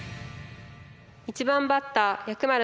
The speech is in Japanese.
１番バッター藥丸